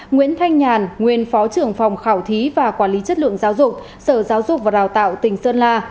nguyễn thanh nhàn nguyên phó trưởng phòng khảo thí và quản lý chất lượng giáo dục sở giáo dục và đào tạo tỉnh sơn la